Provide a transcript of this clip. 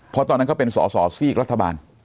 เพราะตอนนั้นก็เป็นสอสอซีกรัฐบาล